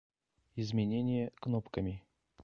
Изменение кнопками